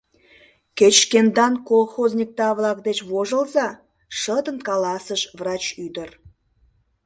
Кеч шкендан колхозникда-влак деч вожылза! — шыдын каласыш врач ӱдыр.